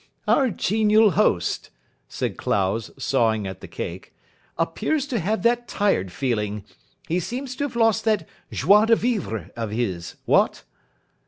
"Our genial host," said Clowes, sawing at the cake, "appears to have that tired feeling. He seems to have lost that joie de vivre of his, what?"